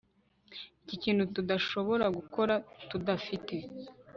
iki nikintu tudashobora gukora tudafite